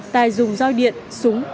tài dùng roi điện súng